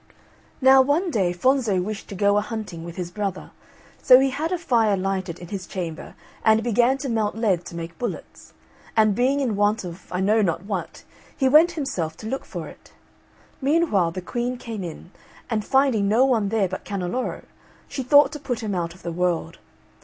Now one day Fonzo wished to go a hunting with his brother; so he had a fire lighted in his chamber and began to melt lead to make bullets; and being in want of I know not what, he went himself to look for it. Meanwhile the Queen came in, and finding no one there but Canneloro, she thought to put him out of the world.